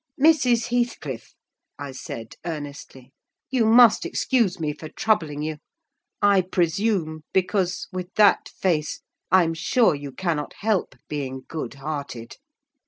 "Mrs. Heathcliff," I said earnestly, "you must excuse me for troubling you. I presume, because, with that face, I'm sure you cannot help being good hearted.